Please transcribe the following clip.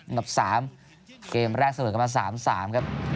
อันดับ๓เกมแรกเสริมกันมา๓๓ครับ